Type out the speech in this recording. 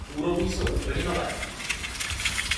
Úrovně jsou úplně nové.